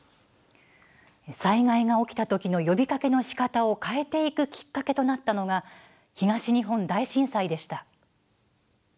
災害が起きたときの呼びかけのしかたを変えていくきっかけとなったのが東日本大震災でした。